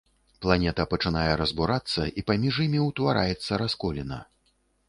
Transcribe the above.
Планета пачынае разбурацца, і паміж імі ўтвараецца расколіна.